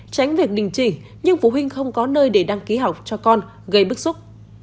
tránh việc đình chỉ nhưng phụ huynh không có nơi để đăng ký học cho con gây bức xúc